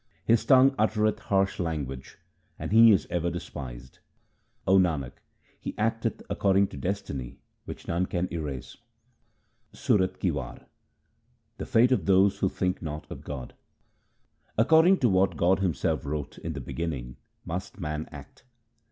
His tongue uttereth harsh language ; and he is ever despised. O Nanak, he acteth according to destiny which none can erase. Sorath ki War The fate of those who think not of God :— According to what God Himself wrote in the beginning must man act.